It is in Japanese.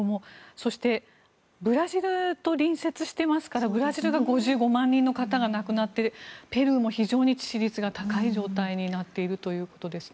そしてブラジルと隣接していますからブラジルが５５万人の方が亡くなってペルーも非常に致死率が高い状態になっているということですね。